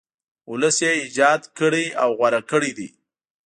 ولس یې ایجاد کړی او غوره کړی دی.